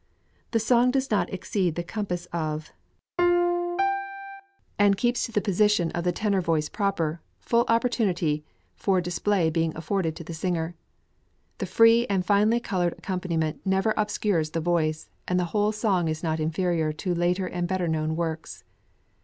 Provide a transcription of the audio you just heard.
The song does not exceed the compass of [See Page Image] and keeps to the position of the tenor voice proper, full opportunity for effective display being afforded to the singer. The free and finely coloured accompaniment never obscures the voice, and the whole song is not inferior to later and better known works.